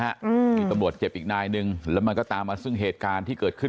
อืมมีตำรวจเจ็บอีกนายหนึ่งแล้วมันก็ตามมาซึ่งเหตุการณ์ที่เกิดขึ้น